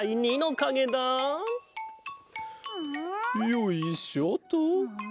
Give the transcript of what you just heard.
よいしょっと。